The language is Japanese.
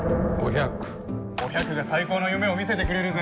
お百が最高の夢をみせてくれるぜ。